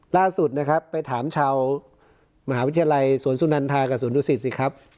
ล่าสุดนะครับไปถามชาวมหาวิทยาลัยสวนสุนันทากับสวนดุสิตสิครับ